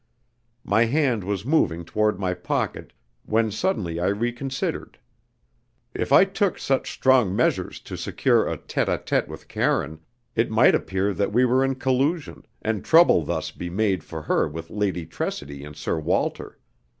My hand was moving toward my pocket, when suddenly I reconsidered. If I took such strong measures to secure a tête à tête with Karine, it might appear that we were in collusion, and trouble thus be made for her with Lady Tressidy and Sir Walter.